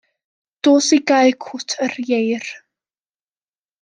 Dos i gau cwt yr ieir.